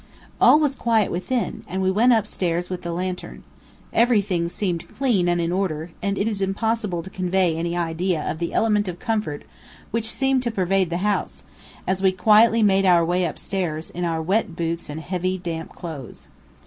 All was quiet within, and we went upstairs with the lantern. Everything seemed clean and in order, and it is impossible to convey any idea of the element of comfort which seemed to pervade the house, as we quietly made our way upstairs, in our wet boots and heavy, damp clothes.